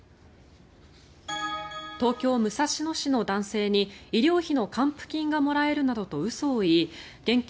東京・武蔵野市の男性に医療費の還付金がもらえるなどと嘘を言い現金